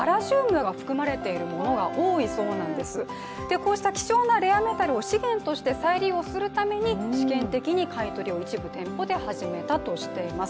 こうした希少なレアメタルを資源として再利用するために、試験的に買い取りを一部店舗で始めたとしています。